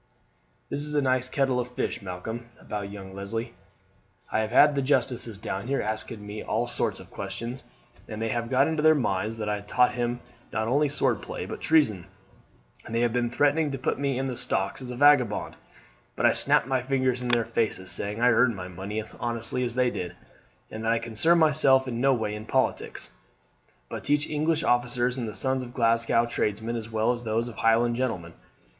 "This is a nice kettle of fish, Malcolm, about young Leslie. I have had the justices down here, asking me all sorts of questions, and they have got into their minds that I taught him not only swordplay but treason, and they have been threatening to put me in the stocks as a vagabond; but I snapped my fingers in their faces, saying I earned my money as honestly as they did, and that I concern myself in no way in politics, but teach English officers and the sons of Glasgow tradesmen as well as those of Highland gentlemen.